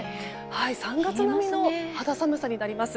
３月並みの肌寒さになります。